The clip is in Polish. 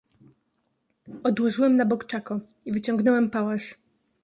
"Odłożyłem na bok czako i wyciągnąłem pałasz."